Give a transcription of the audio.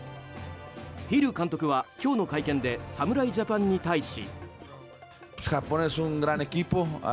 ヒル監督は今日の会見で侍ジャパンに対し。